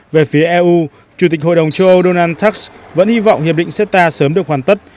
về phía eu chủ tịch hội đồng châu âu donald trump vẫn hy vọng hiệp định ceta sớm được hoàn tất